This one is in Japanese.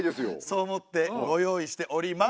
そう思ってご用意しております。